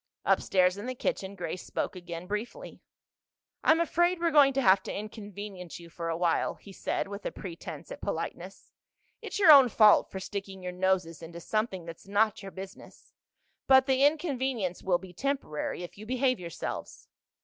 Upstairs, in the kitchen, Grace spoke again briefly. "I'm afraid we're going to have to inconvenience you for a while," he said with a pretense at politeness. "It's your own fault for sticking your noses into something that's not your business. But the inconvenience will be temporary if you behave yourselves."